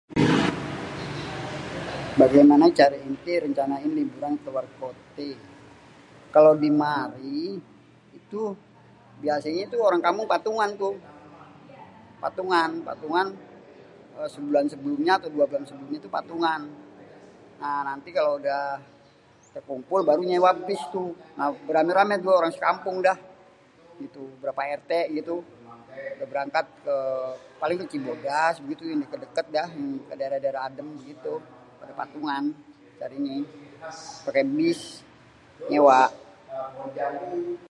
Bagaimana cara èntè rencanain liburan keluar kotè? Kalo dimari itu biasenye tuh orang kampung patungan tuh, patungan sebulan sebelum nya atau dua bulan sebelumnya itu patungan nanti kalo udah terkumpulnya baru nyèwa bis tuh, ramè-ramè orang sekampungnya dah bapak RT lah gitu berangkat paling ke Cibodas yang dèkèt-dèkèt dah daerah-daerah adèm disitu pade patungan jadinyè pakè bis nyèwa